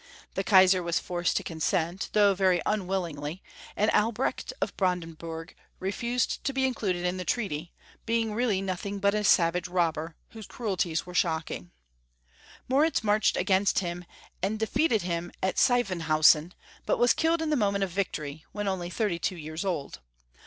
The Kaisar was forced to consent, though very unwill 296 Young Folks' History of Germany. ingly, and Albrecht of Brandenburg refused to be included in the treaty, being really nothing but a savage robber, whose cruelties were shocking. Moritz marched against him, and defeated him at Sievenhausen< but was killed in the moment of vic tory, when only thirty two years old.